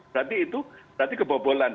berarti itu berarti kebobolan